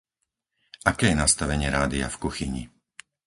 Aké je nastavenie rádia v kuchyni?